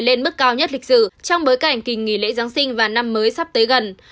lên mức cao nhất lịch sử trong bối cảnh kỳ nghỉ lễ giáng sinh và năm mới sắp tới gần